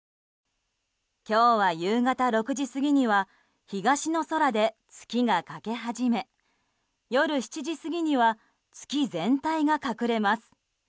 今日は、夕方６時過ぎには東の空で月が欠け始め夜７時過ぎには月全体が隠れます。